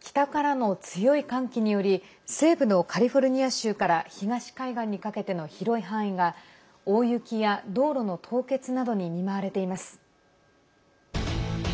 北からの強い寒気により西部のカリフォルニア州から東海岸にかけての広い範囲が大雪や道路の凍結などに見舞われています。